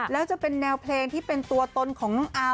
แล้วจะเป็นแนวเพลงที่เป็นตัวตนของน้องอาร์